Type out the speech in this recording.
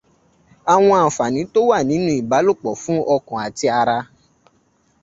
Àwọn ànfààní tó wà nínú ìbálọ̀pọ̀ fún ọkàn àti ara.